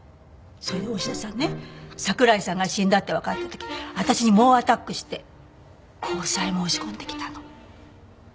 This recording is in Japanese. それで大志田さんね桜井さんが死んだってわかった時私に猛アタックして交際申し込んできたの。